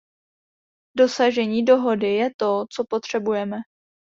Dosažení dohody je to, co potřebujeme.